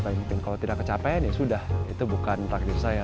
kalau tidak kecapaian ya sudah itu bukan takdir saya